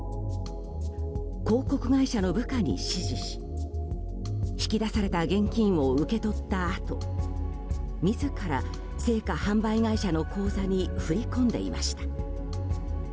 広告会社の部下に指示し引き出された現金を受けとったあと自ら生花販売会社の口座に振り込んでいました。